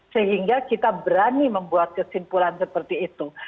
sehingga kita berani membuat kesimpulan seperti itu